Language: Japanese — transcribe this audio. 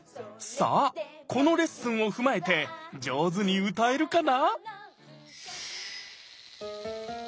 さあこのレッスンを踏まえて上手に歌えるかな？